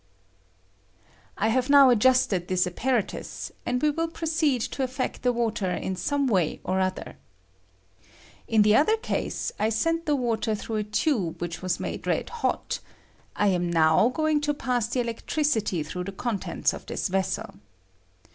I have now adjusted this apparatus, and we will proceed to affect the water in some way or other. In the other case I sent the ^ J DECOMPOSITION OF WATER. 101 ■water tlirottgh a. tube whieb was made red hot ; I am HOW going to pass the electricity through the contents of this vessel.